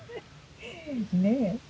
ねえ。